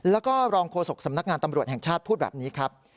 แล้วก็รองโฆษกสำนักงานตำรวจแห่งชาติพูดแบบนี้ครับ